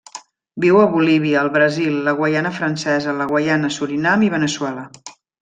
Viu a Bolívia, el Brasil, la Guaiana Francesa, la Guaiana, Surinam i Veneçuela.